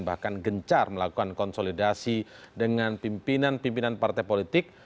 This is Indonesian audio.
bahkan gencar melakukan konsolidasi dengan pimpinan pimpinan partai politik